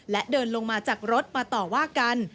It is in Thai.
และเดินลงมาจากรถมาต่อว่ากัน